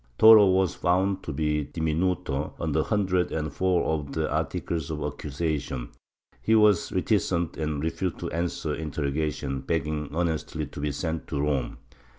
Toro was found to be dimimdo on a hundred and four of the articles of accusation ; he was reticent and refused to answer interrogations, begging earnestly to be sent to Rome.